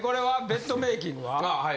ベッドメイキングは？